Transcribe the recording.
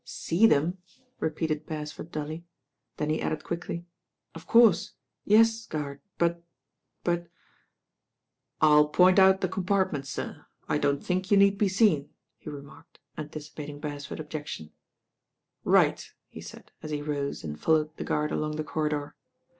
"See them I" repeated Beresford dully. Then he added quickly, "of course; yes, guard; but— but " "I'll point out the compartments, sir. I don't think you need be seen," he remarked, anticipating Beresford's objection. "Right I" he said as he rose and followed the guard nlong the corridor.